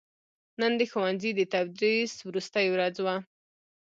نن دښوونځي دتدریس وروستې ورځ وه